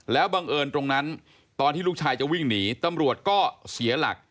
แล้วบังเอิญตรงนั้นตอนที่ลูกชายจะวิ่งหนีตำรวจก็เสียหลัก